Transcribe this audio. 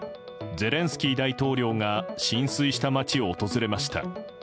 ゼレンスキー大統領が浸水した街を訪れました。